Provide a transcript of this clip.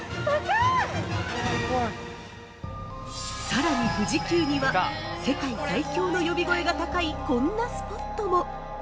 ◆さらに富士急には「世界最恐」の呼び声が高いこんなスポットも◆